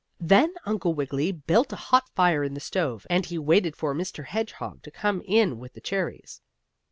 Then Uncle Wiggily built a hot fire in the stove, and he waited for Mr. Hedgehog to come in with the cherries.